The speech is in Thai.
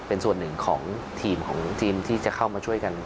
เป็นส่วนหนึ่งของทีมของทีมที่จะเข้ามาช่วยกัน